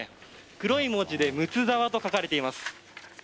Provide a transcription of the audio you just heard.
黒い文字でむつざわと書かれています。